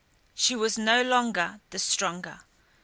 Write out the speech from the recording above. She was no longer the stronger.